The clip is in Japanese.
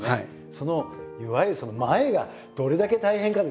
そのいわゆるその前がどれだけ大変かですね。